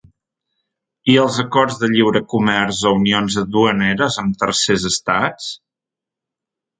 I els acords de lliure comerç o unions duaneres amb tercers estats?